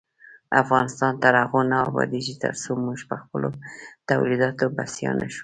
افغانستان تر هغو نه ابادیږي، ترڅو موږ پخپلو تولیداتو بسیا نشو.